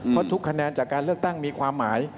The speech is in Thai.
เพราะทุกคะแนนจากการเลือกตั้งมีความหมาย